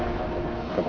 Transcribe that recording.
ibu elsa bangun